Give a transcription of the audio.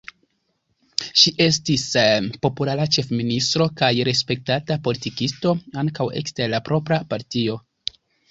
Ŝi estis populara ĉefministro kaj respektata politikisto ankaŭ ekster la propra partio.